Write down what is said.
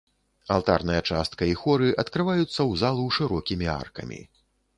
Алтарная частка і хоры адкрываюцца ў залу шырокімі аркамі.